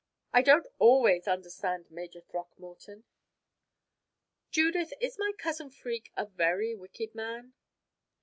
I don't always understand Major Throckmorton. Judith, is my cousin Freke a very wicked man?"